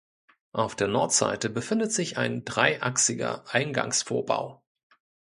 Auf der Nordseite befindet sich ein dreiachsiger Eingangsvorbau.